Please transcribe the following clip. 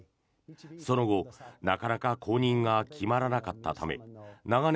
その後、なかなか後任が決まらなかったため長年